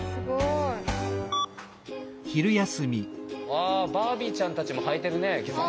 わバービーちゃんたちも履いてるね義足。